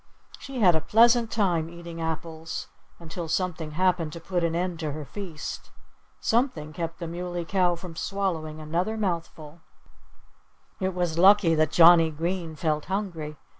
She had a pleasant time eating apples until something happened to put an end to her feast. Something kept the Muley Cow from swallowing another mouthful. It was lucky that Johnnie Green felt hungry.